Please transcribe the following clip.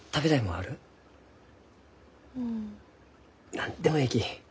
何でもえいき！